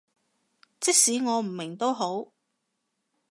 即使我唔明都好